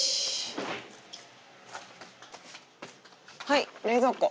はい冷蔵庫。